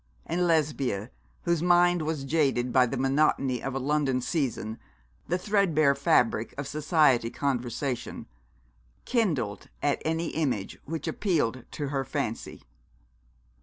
And Lesbia, whose mind was jaded by the monotony of a London season, the threadbare fabric of society conversation, kindled at any image which appealed to her fancy.